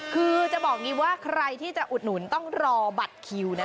คือจะบอกอย่างนี้ว่าใครที่จะอุดหนุนต้องรอบัตรคิวนะคะ